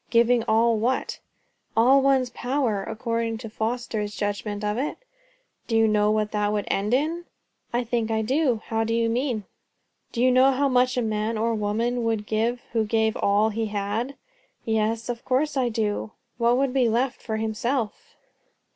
"Giving all what?" "All one's power, according to Foster's judgment of it." "Do you know what that would end in?" "I think I do. How do you mean?" "Do you know how much a man or a woman would give who gave all he had?" "Yes, of course I do." "What would be left for himself?"